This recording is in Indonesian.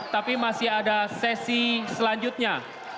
tapi masih ada sesi selanjutnya